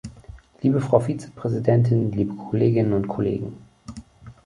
Liebe Frau Vizepräsidentin, liebe Kolleginnen und Kollegen!